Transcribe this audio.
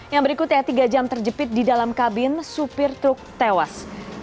yang berikutnya tiga jam terjepit di dalam kabin supir truk tewas